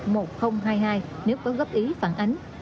nếu có góp ý phản ánh hoặc đề nghị hướng dẫn hỗ trợ